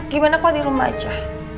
gimana kalau di rumah aja